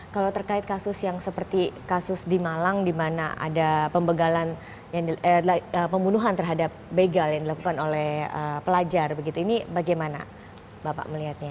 kalau terkait kasus yang seperti kasus di malang di mana ada pembunuhan terhadap begal yang dilakukan oleh pelajar begitu ini bagaimana bapak melihatnya